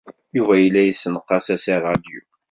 Yuba yella yessenqas-as i ṛṛadyu.